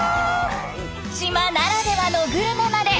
島ならではのグルメまで。